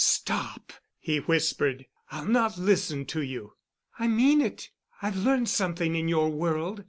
"Stop!" he whispered, "I'll not listen to you." "I mean it. I've learned something in your world.